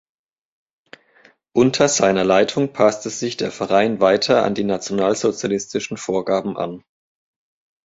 Unter seiner Leitung passte sich der Verein weiter an die nationalsozialistischen Vorgaben an.